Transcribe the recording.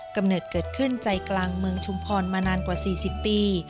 กำเนิดเกิดขึ้นใจกลางเมืองชุมพรมานานกว่า๔๐ปี